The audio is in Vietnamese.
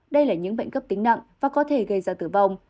đây là những bệnh cấp tính nặng và có thể gây ra tử vong